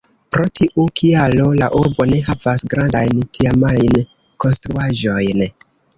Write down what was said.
Pro tiu kialo la urbo ne havas grandajn tiamajn konstruaĵojn.